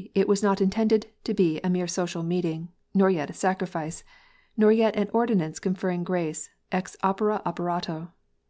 169 it was not intended to be a mere social meeting, nor yet a sacrifice, nor yet an ordinance conferring grace ex opere operato.